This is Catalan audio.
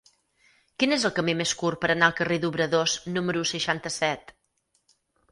Quin és el camí més curt per anar al carrer d'Obradors número seixanta-set?